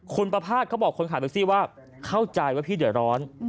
คุณประพาทเขาบอกคนขายแก๊กซี่ว่าเข้าใจว่าพี่เดือดร้อน